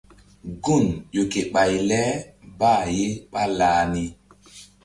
Gun ƴo ke ɓay le bah ye ɓálah ni.